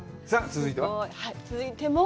続いても。